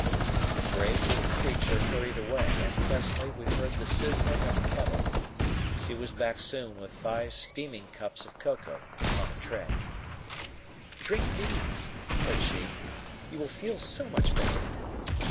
The brave little creature hurried away, and presently we heard the sizzling of a kettle. She was back soon with five steaming cups of cocoa upon a tray. "Drink these," said she. "You will feel so much better."